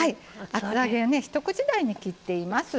厚揚げをね一口大に切っています。